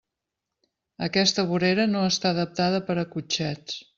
Aquesta vorera no està adaptada per a cotxets.